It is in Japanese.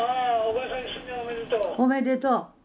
おめでとう。